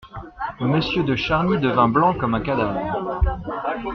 Monsieur de Charny devint blanc comme un cadavre.